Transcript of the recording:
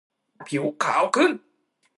ผิวขาวขึ้น